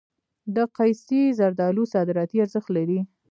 د قیسی زردالو صادراتي ارزښت لري.